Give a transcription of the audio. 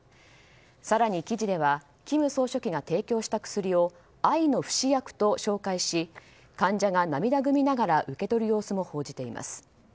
更に記事では金総書記が提供した薬を愛の不死薬と紹介し患者が涙ぐみながら受け取る様子も報じています。